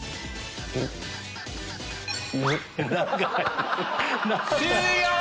長い！